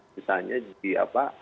misalnya di apa